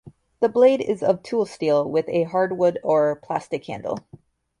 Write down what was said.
The blade is of tool steel with a hardwood or plastic handle.